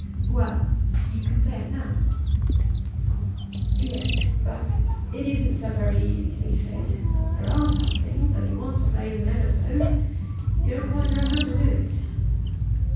"Well; you can say it now." "Yes; but it isn't so very easy to be said. There are some things, though you want to say them ever so, you don't quite know how to do it."